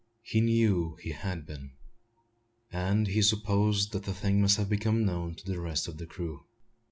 He knew he had been; and he supposed that the thing must have become known to the rest of the crew.